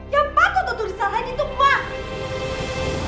yang patut untuk disalahin itu pak